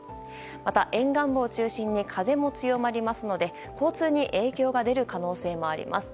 また、沿岸部を中心に風も強まりますので交通に影響が出る可能性もあります。